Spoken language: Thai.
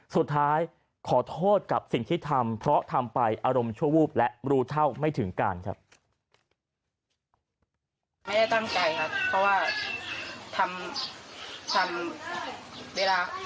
สุดท้ายขอโทษกับสิ่งที่ทำเพราะทำไปอารมณ์ชั่ววูบและรู้เท่าไม่ถึงการครับ